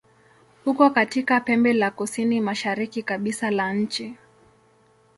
Uko katika pembe la kusini-mashariki kabisa la nchi.